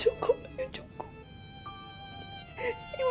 ibu bisa mengerti perasaan kamu